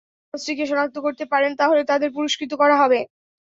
যদি তাঁরা লঞ্চটিকে শনাক্ত করতে পারেন, তাহলে তাঁদের পুরস্কৃত করা হবে।